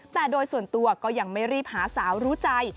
แต่โดยส่วนตัวก็ยังไม่รีบหาสาวรู้ใจ